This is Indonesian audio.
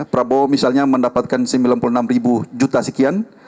prabowo misalnya mendapatkan sembilan puluh enam ribu juta sekian